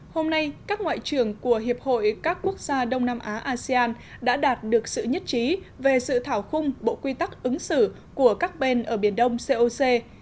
hôm nay các ngoại trưởng của hiệp hội các quốc gia đông nam á asean đã đạt được sự nhất trí về sự thảo khung bộ quy tắc ứng xử của các bên ở biển đông coc